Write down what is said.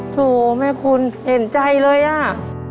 โถแม่คุณเห็นใจเลยอ่ะ